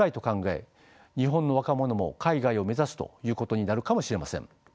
日本の若者も海外を目指すということになるかもしれません。